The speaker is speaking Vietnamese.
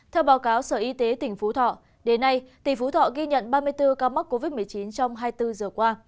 theo báo cáo sở y tế tỉnh phú thọ đến nay tỉnh phú thọ ghi nhận ba mươi bốn ca mắc covid một mươi chín trong hai mươi bốn giờ qua